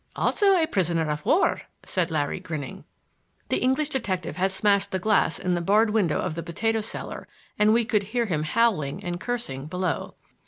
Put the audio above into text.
"Also a prisoner of war," said Larry, grinning. The English detective had smashed the glass in the barred window of the potato cellar and we could hear him howling and cursing below.